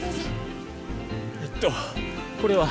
えっとこれは？